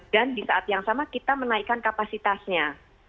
dan di saat yang sama kita menaikkan kapasitasnya